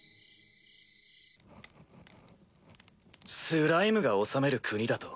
スライムが治める国だと？